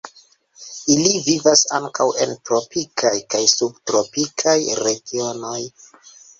Ili vivas ankaŭ en tropikaj kaj subtropikaj regionoj.